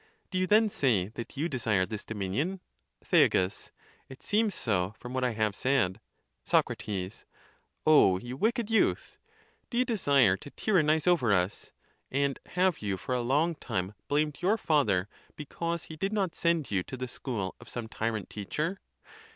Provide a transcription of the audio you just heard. Do you then say that you desire this dominion ? Thea. It seems so from what I have said. Soc. O you wicked (youth)! Do you desire to tyrannize over us? And have you for a long time blamed your father, because he did not send you to the school of some tyrant teacher?!